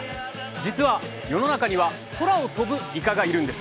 実は世の中には空を飛ぶイカがいるんです。